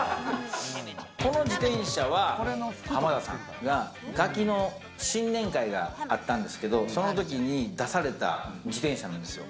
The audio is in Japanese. この自転車は浜田さんが『ガキ』の新年会があったんですけど、その時に出された自転車なんですよ。